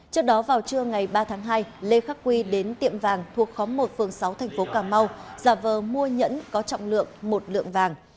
trước đó vào trưa ngày ba tháng hai lê khắc quy đến tiệm vàng thuộc khóm một phường sáu tp cà mau giả vờ mua nhẫn có trọng lượng một lượng vàng